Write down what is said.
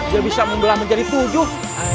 dia bisa membelah menjadi tujuh